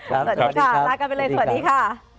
สวัสดีค่ะลากันไปเลยสวัสดีค่ะ